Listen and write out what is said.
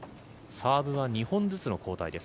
サーブは２本ずつの交代です。